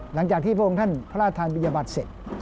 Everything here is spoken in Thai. หลังจากพระบาทประธานปริญญบัติเสร็จ